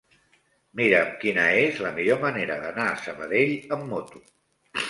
Mira'm quina és la millor manera d'anar a Sabadell amb moto.